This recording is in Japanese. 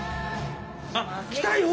あっ来たよ。